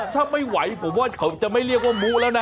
ถ้าไม่ไหวผมว่าเขาจะไม่เรียกว่ามู้แล้วนะ